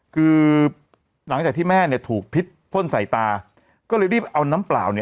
คือหลังจากที่แม่เนี่ยถูกพิษพ่นใส่ตาก็เลยรีบเอาน้ำเปล่าเนี่ย